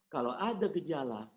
kalau ada gejala